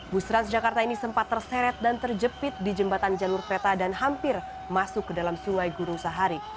bus transjakarta ini sempat terseret dan terjepit di jembatan jalur peta dan hampir masuk ke dalam sungai guru sahari